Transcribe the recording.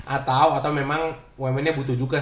atau atau memang wemennya butuh juga